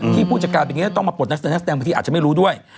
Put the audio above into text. ที่ผู้จัดการต้องมาปลดนักแสดงเพราะที่อาจจะไม่รู้ด้วย